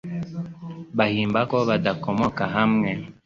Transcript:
bahimba ko badakomoka hamwe